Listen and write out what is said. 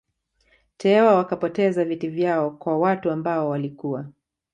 Tewa wakapoteza viti vyao kwa watu ambao walikuwa